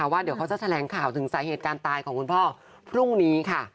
ว่าเดี๋ยวเขาจะแถลงข่าวถึงสาเหตุการณ์ตายของคุณพ่อพรุ่งนี้ค่ะ